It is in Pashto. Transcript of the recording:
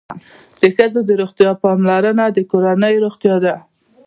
د ښځو د روغتیا پاملرنه د کورنۍ روغتیا ده.